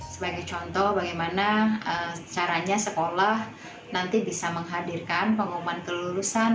sebagai contoh bagaimana caranya sekolah nanti bisa menghadirkan pengumuman kelulusan